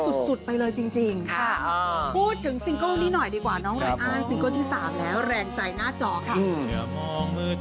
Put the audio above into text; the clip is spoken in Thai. สุดสุดไปเลยจริงจริงค่ะอ๋อพูดถึงสิงเกิลนี้หน่อยดีกว่าน้องรายอ้านสิงเกิลที่สามแล้วแรงใจหน้าจอค่ะอืม